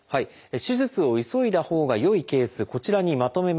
手術を急いだほうがよいケースこちらにまとめました。